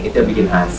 itu yang bikin khas